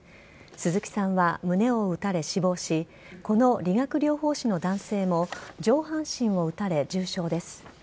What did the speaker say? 鈴木さんは胸を撃たれ、死亡しこの理学療法士の男性も上半身を撃たれ、重傷です。